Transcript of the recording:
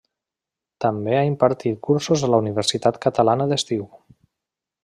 També ha impartit cursos a la Universitat Catalana d'Estiu.